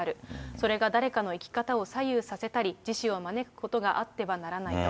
それが誰かの生き方を左右させたり、自死を招くことがあってはならないと。